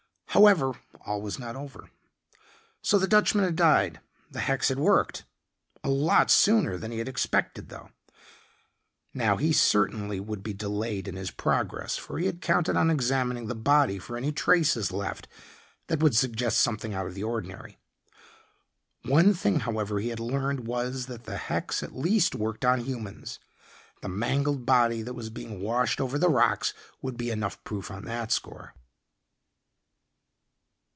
However, all was not over. So the Dutchman had died; the hex had worked a lot sooner than he had expected though. Now he certainly would be delayed in his progress, for he had counted on examining the body for any traces left that would suggest something out of the ordinary. One thing, however, he had learned was that the hex at least worked on humans. The mangled body that was being washed over the rocks would be enough proof on that score.